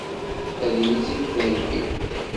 Ad iyi-tt-id-theggim?